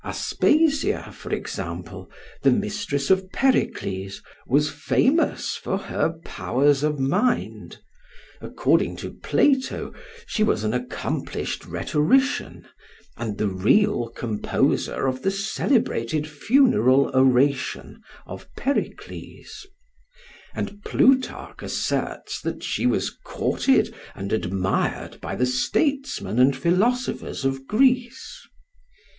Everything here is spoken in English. Aspasia, for example, the mistress of Pericles, was famous for her powers of mind. According to Plato she was an accomplished rhetorician, and the real composer of the celebrated funeral oration of Pericles; and Plutarch asserts that she was courted and admired by the statesmen and philosophers of Greece.